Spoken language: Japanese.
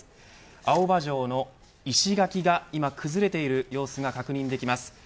青葉城の石垣が今崩れている様子が確認できます。